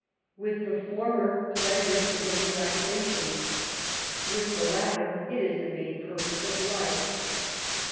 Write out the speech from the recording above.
With the former, pleasure is a relaxation ; with the latter^ it is the main purpose of life.